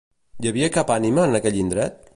Hi havia cap ànima en aquell indret?